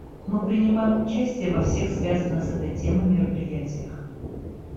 Мы принимаем участие во всех связанных с этой темой мероприятиях.